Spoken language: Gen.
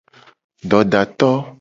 Dodato.